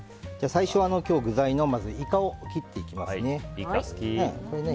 最初は今日、具材のイカを切っていきますね。